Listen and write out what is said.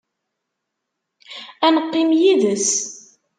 Ad neqqim yid-s.